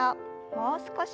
もう少し。